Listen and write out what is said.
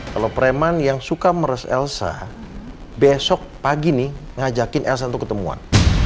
kalau preman yang suka meres elsa besok pagi nih ngajakin elsa untuk ketemuan